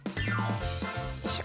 よいしょ。